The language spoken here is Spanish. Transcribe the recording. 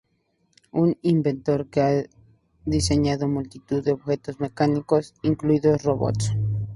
Un inventor que ha diseñado multitud de objetos mecánicos, incluidos robots.